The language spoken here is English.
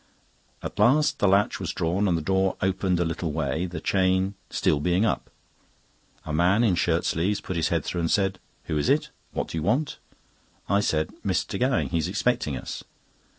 At last the latch was drawn and the door opened a little way, the chain still being up. A man in shirt sleeves put his head through and said: "Who is it? What do you want?" I said: "Mr. Gowing, he is expecting us."